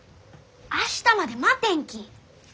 明日まで待てんき！